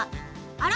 あら？